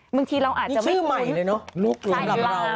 บางทีเราอาจจะไม่คุ้นใช่ใช่ใช่ใช่นี่ชื่อใหม่เลยเนอะลูกลูกกับเรา